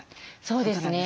そうですね。